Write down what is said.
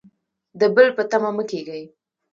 د بل په تمه مه کیږئ